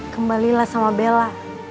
kembalilah sama bella